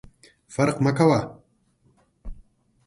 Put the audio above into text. فرق مه کوه !